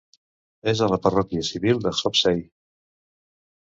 És a la parròquia civil de Hopesay.